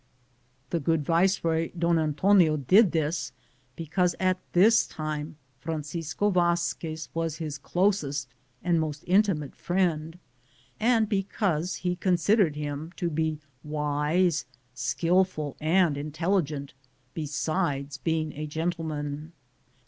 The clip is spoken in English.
The good viceroy Don Antonio did this because at this time Francisco Vazquez was his closest and most intimate friend, and because he con sidered him to be wise, skillful, and intelli gent, besides being a gentleman.